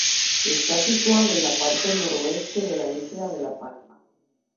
Está situado en la parte Noroeste de la isla de La Palma.